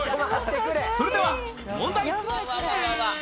それでは問題